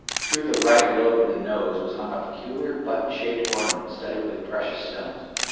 Through the right lobe of the nose was hung a peculiar button shaped ornament studded with precious stones.